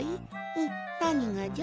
んっなにがじゃ？